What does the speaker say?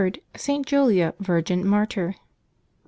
ST. JULIA, Virgin, Martyr.